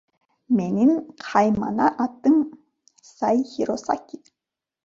Менин каймана атым Сайхиросаки.